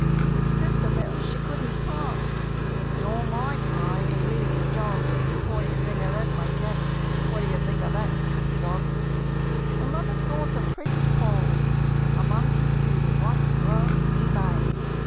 With sister Belle she couldn't part, But all my ties had leave to jog What d'ye think of that, my Cat? What d'ye think of that, my Dog? The mother brought a pretty Poll A monkey too, what work he made!